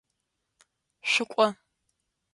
Шъукӏо!